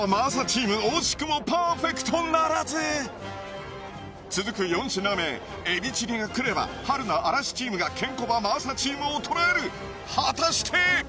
チーム惜しくもパーフェクトならず続く４品目エビチリがくれば春菜・嵐チームがケンコバ・真麻チームを捉える果たして！？